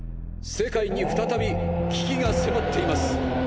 世界に再び危機が迫っています。